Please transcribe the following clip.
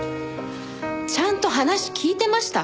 ちゃんと話聞いてました？